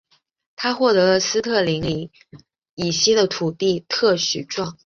他获得了斯特林岭以西的土地特许状。